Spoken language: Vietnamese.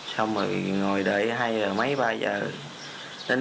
xong rồi ngồi đợi hai h mấy ba h đến năm h